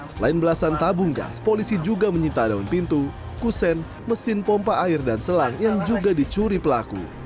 selain belasan tabung gas polisi juga menyita daun pintu kusen mesin pompa air dan selang yang juga dicuri pelaku